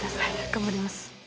頑張ります。